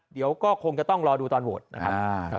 เดี๋ยวก็คงจะต้องรอดูตอนโหวตนะครับ